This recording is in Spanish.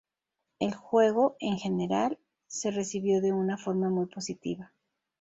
El juego, en general, se recibió de una forma muy positiva.